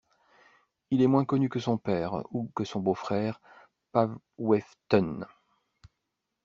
Il est moins connu que son père ou que son beau-frère Pascweten.